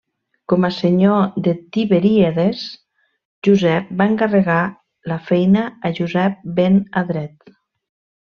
Com a senyor de Tiberíades, Josep va encarregar la feina a Josep ben Adret.